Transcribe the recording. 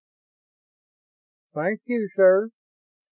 "Thank you, sir.